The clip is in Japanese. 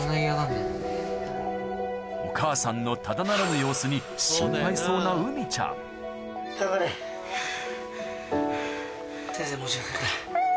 お母さんのただならぬ様子に心配そうなうみちゃんあぁ。